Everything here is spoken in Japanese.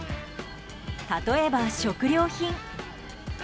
例えば食料品。